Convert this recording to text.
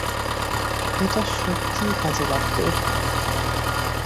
এটা সত্যিই কাজে লাগবে।